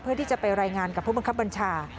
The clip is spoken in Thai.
เพื่อที่จะไปรายงานกับผู้บังคับบัญชา